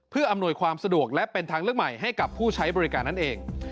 เพื่ออำนวยความสะดวกและเป็นทางเลือกใหม่ให้กับผู้ใช้บริการนั่นเอง